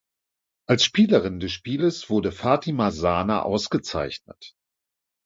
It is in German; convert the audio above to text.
Als Spielerin des Spiels wurde Fatima Sana ausgezeichnet.